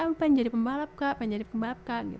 ah pengen jadi pembalap kak pengen jadi pembalap kak gitu